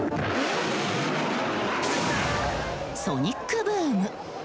ソニックブーム。